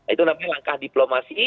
itu namanya langkah diplomasi